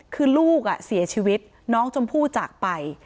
คือลูกเสียชีวิตน้องชมพู่จากไป